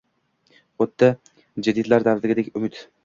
Xuddi jadidlar davridagidek umid.